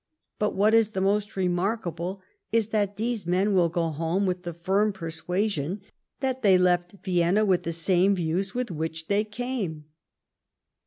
But what is most remarkable is that these men will go home with the firm persuasion that they have left Vienna with the same views with which they came."